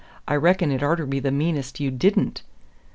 "I reckon it orter be the meanest if you DIDN'T."